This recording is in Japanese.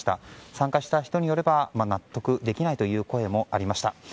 参加した人によれば納得できないという声もありました。